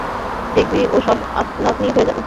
দেখবি ও-সব আপনা-আপনি হয়ে যাবে।